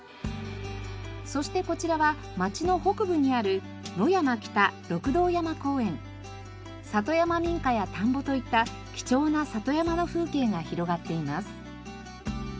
そしてこちらは町の北部にある里山民家や田んぼといった貴重な里山の風景が広がっています。